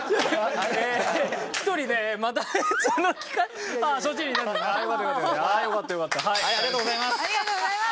ありがとうございます。